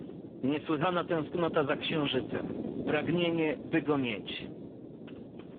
Niesłychana tęsknota za księżycem, pragnienie, by go mieć.